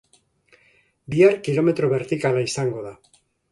Bihar kilometro bertikala izango da.